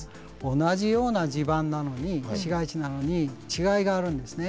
同じような地盤なのに市街地なのに違いがあるんですね。